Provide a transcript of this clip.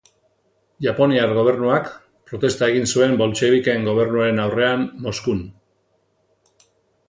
Japoniar gobernuak protesta egin zuen boltxebikeen gobernuaren aurrean Moskun.